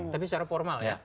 tapi secara formal ya